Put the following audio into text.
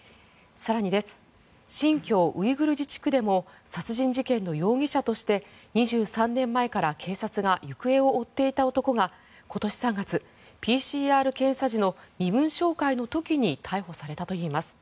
更に新疆ウイグル自治区でも殺人事件の容疑者として２３年前から警察が行方を追っていた男が今年３月、ＰＣＲ検査時の身分照会の時に逮捕されたといいます。